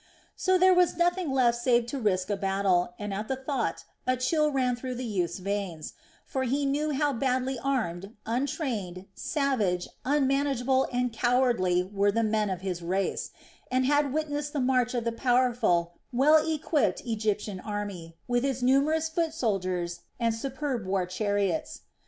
So there was nothing left save to risk a battle, and at the thought a chill ran through the youth's veins; for he knew how badly armed, untrained, savage, unmanageable, and cowardly were the men of his race, and had witnessed the march of the powerful, well equipped Egyptian army, with its numerous foot soldiers and superb war chariots.